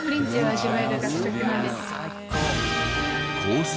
コース